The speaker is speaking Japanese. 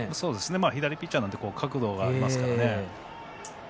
左ピッチャーなので角度がありますから。